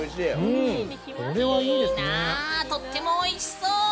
いいなーとってもおいしそう。